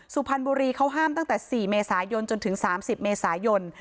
สุพรรณบุรีเขาห้ามตั้งแต่๔เมษายนจนถึง๓๐เมษายน